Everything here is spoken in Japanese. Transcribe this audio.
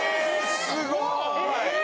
すごい！え！